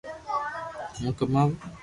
ھون ڪماوُ